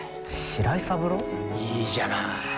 いいじゃない。